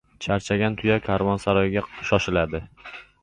• Charchagan tuya karvonsaroyga shoshiladi.